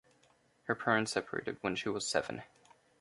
Her parents separated when she was seven.